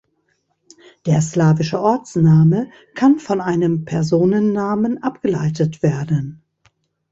Der slawische Ortsname kann von einem Personennamen abgeleitet werden.